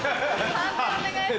判定お願いします。